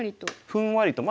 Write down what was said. ふんわりと。